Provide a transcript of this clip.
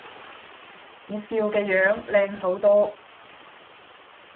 你笑嘅樣靚好多